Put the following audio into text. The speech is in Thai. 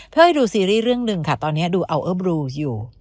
เพื่อให้ดูซีรีส์เรื่องหนึ่งค่ะตอนนี้ดูอัลเออร์บรูอยู่